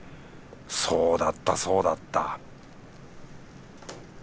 そうだったそうだった